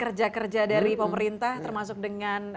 harus ada kerja dari pemerintah termasuk dengan